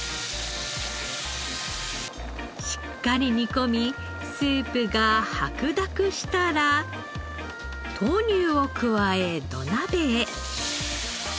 しっかり煮込みスープが白濁したら豆乳を加え土鍋へ。